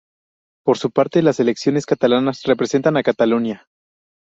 Por su parte las selecciones catalanas representan a Cataluña.